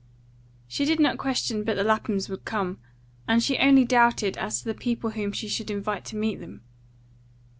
She did not question but the Laphams would come; and she only doubted as to the people whom she should invite to meet them.